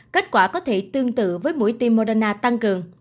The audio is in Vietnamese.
kết quả có thể tương tự với mũi tim moderna tăng cường